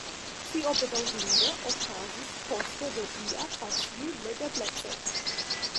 Tio bedaŭrinde okazis koste de ĝia facil-legebleco.